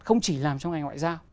không chỉ làm trong ngành ngoại giao